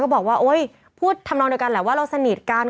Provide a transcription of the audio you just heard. บอกว่าโอ๊ยพูดทำนองเดียวกันแหละว่าเราสนิทกัน